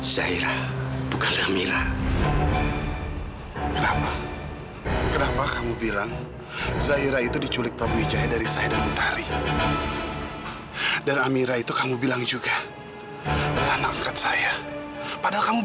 sampai jumpa di video selanjutnya